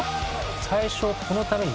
最初このために。